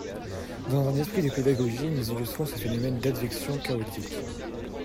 Dans un esprit de pédagogie nous illustrons ce phénomène d'advection chaotique